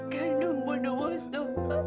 gandum bunuh waso